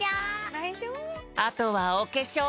あとはおけしょう！